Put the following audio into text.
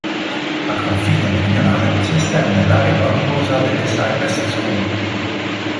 Al confine meridionale si estende l'area paludosa delle Cypress Swamp.